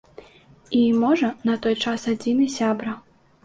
І, можа, на той час адзіны сябра.